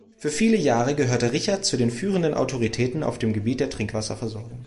Für viele Jahre gehörte Reichardt zu den führenden Autoritäten auf dem Gebiet der Trinkwasserversorgung.